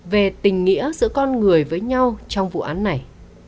về tình nghĩa giữa con người với nhau trong vụ án này